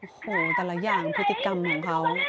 โอ้โหแต่ละอย่างพฤติกรรมของเขา